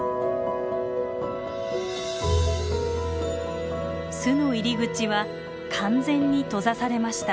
巣の入り口は完全に閉ざされました。